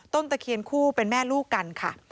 ตะเคียนคู่เป็นแม่ลูกกันค่ะ